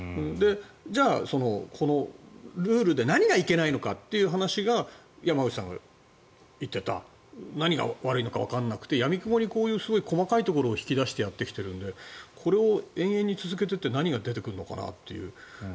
じゃあ、このルールで何がいけないのかという話が山口さんが言っていた何が悪いのかわからなくてやみくもにすごい細かいところを引き出してやってるのでこれを永遠に続けていって何が出てくるのかなと。